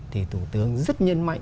thì tổ tướng rất nhân mạnh